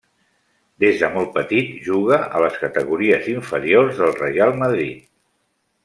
Des de molt petit juga a les categories inferiors del Reial Madrid.